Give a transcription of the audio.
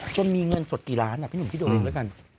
จนมีเงินสดกี่ล้านน่ะพี่หนุ่มที่โดยดูแล้วกัน